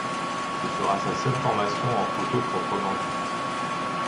Ce sera sa seule formation en photo proprement dite.